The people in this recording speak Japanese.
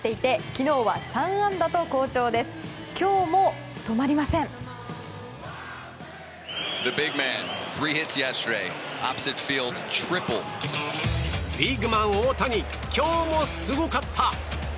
今日もすごかった！